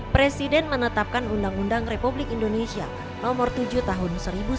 presiden menetapkan undang undang republik indonesia nomor tujuh tahun